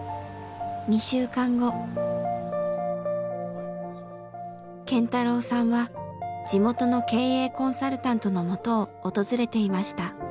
俺が健太郎さんは地元の経営コンサルタントのもとを訪れていました。